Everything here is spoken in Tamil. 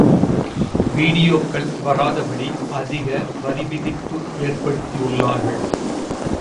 வீடியோக்கள் வராதபடி அதிக வரிவிதிப்பு ஏற்படுத்தியுள்ளார்கள்.